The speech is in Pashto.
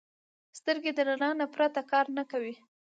سترګې د رڼا نه پرته کار نه کوي